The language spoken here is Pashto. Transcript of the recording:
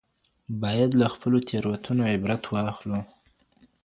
باید له خپلو تېروتنو عبرت واخلو.